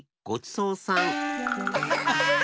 ごちそうさん。